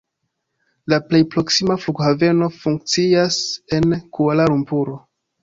La plej proksima flughaveno funkcias en Kuala-Lumpuro.